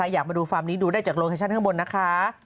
อยากมาดูฟาร์มนี้ดูได้จากโลเคชั่นข้างบนนะคะ